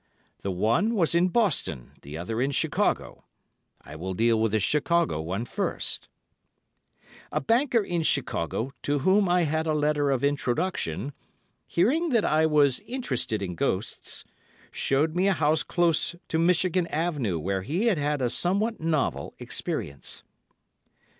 The one was in Boston, the other in Chicago. I will deal with the Chicago one first:— A banker in Chicago, to whom I had a letter of introduction, hearing that I was interested in ghosts, showed me a house close to Michigan Avenue where he had had a somewhat novel experience.